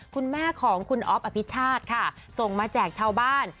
คุณแม่ของคุณอ๊อฟอภิชาติค่ะส่งมาแจกชาวบ้าน